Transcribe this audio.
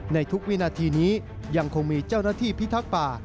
ในทุกวินาทีนี้ยังคงมีเจ้าหน้าที่พิทักษ์ป่า